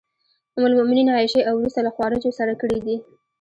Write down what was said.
ام المومنین عایشې او وروسته له خوارجو سره کړي دي.